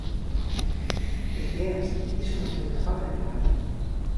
É que é así, iso non foi capaz de negarmo.